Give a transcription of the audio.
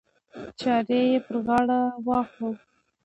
چارې یې پر غاړه واخلو.